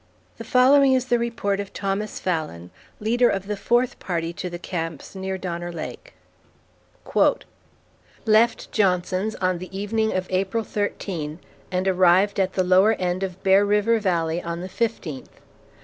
The following is the report of Thomas Fallon, leader of the fourth party to the camps near Donner Lake: Left Johnson's on the evening of April 13, and arrived at the lower end of Bear River Valley on the fifteenth.